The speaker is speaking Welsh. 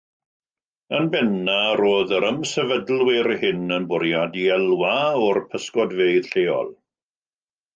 Yn bennaf, roedd yr ymsefydlwyr hyn yn bwriadu elwa o'r pysgodfeydd lleol.